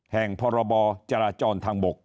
แห่งพรบจราจรทางบก